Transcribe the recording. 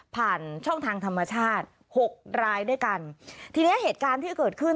ผ่านช่องทางธรรมชาติหกรายด้วยกันทีเนี้ยเหตุการณ์ที่เกิดขึ้น